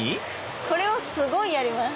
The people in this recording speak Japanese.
これをすごいやります。